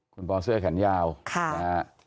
คุณปอนเสื้อแขนยาวนะฮะ